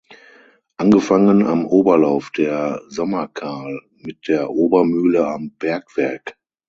Angefangen am Oberlauf der Sommerkahl, mit der Obermühle am Bergwerk.